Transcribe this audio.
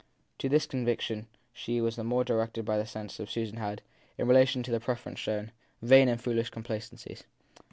To this conviction she was the more directed by the sense that Susan had, in relation to the preference shown, vain and foolish complacencies.